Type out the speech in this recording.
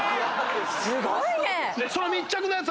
すごいね！